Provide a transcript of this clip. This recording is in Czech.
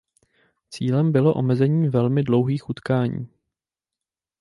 Cílem bylo omezení velmi dlouhých utkání.